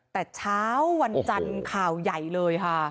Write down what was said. แต่เช้าวันจันทร์ข่าวใหญ่เลยค่ะ